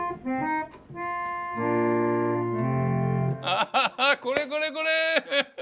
アハハこれこれこれ！